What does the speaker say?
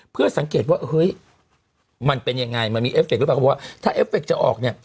เพื่อสังเกตว่าเฮ้ยมันเป็นยังไงมันมีเอฟเคหรือเปล่าเขาบอกว่าถ้าเอฟเคจะออกเนี่ย